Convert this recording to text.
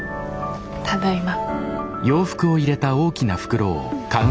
ただいま。